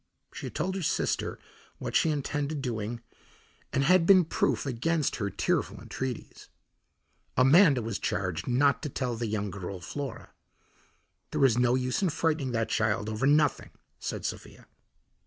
She had told her sister what she intended doing and had been proof against her tearful entreaties. Amanda was charged not to tell the young girl, Flora. "There is no use in frightening that child over nothing," said Sophia.